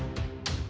aku akan menunggu